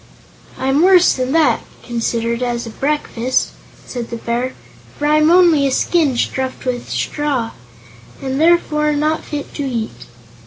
"I'm worse than that, considered as a breakfast," said the Bear, "for I'm only a skin stuffed with straw, and therefore not fit to eat."